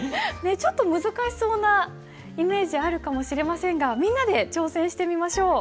ちょっと難しそうなイメージあるかもしれませんがみんなで挑戦してみましょう。